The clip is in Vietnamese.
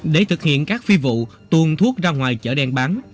để thực hiện các phi vụ tuồn thuốc ra ngoài chợ đen bán